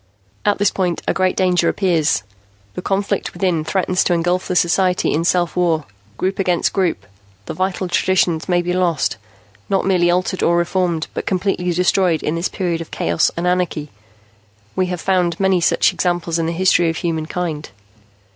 "At this point, a great danger appears. The conflict within threatens to engulf the society in self war, group against group. The vital traditions may be lost not merely altered or reformed, but completely destroyed in this period of chaos and anarchy. We have found many such examples in the history of mankind.